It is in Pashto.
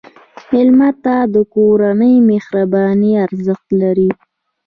مېلمه ته د کورنۍ مهرباني ارزښت لري.